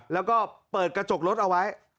แล้วก็เปิดกระจกรถเอาไว้